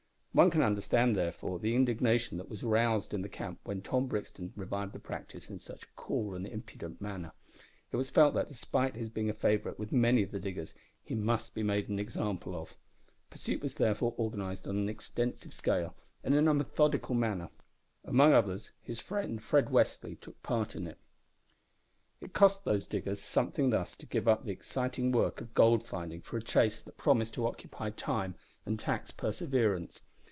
One can understand, therefore, the indignation that was roused in the camp when Tom Brixton revived the practice in such a cool and impudent manner. It was felt that, despite his being a favourite with many of the diggers, he must be made an example. Pursuit was, therefore, organised on an extensive scale and in a methodical manner. Among others, his friend Fred Westly took part in it. It cost those diggers something thus to give up the exciting work of gold finding for a chase that promised to occupy time and tax perseverance.